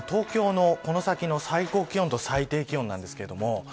東京の、この先の最高気温と最低気温です。